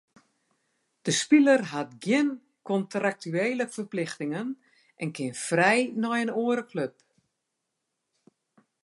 De spiler hat gjin kontraktuele ferplichtingen en kin frij nei in oare klup.